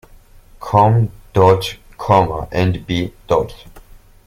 Com., and B.